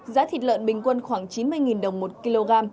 giá thịt lợn bình quân khoảng chín mươi đồng một kg